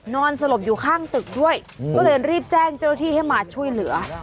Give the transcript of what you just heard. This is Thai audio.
นอนสลบอยู่ข้างตึกด้วยก็เลยรีบแจ้งเจ้าหน้าที่ให้มาช่วยเหลือ